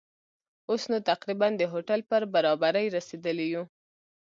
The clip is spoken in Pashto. اوس نو تقریباً د هوټل پر برابري رسېدلي وو.